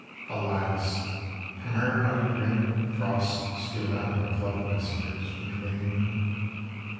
Alas ! from her honeyed rim, frosts steal down like love messengers from the Lady Moon.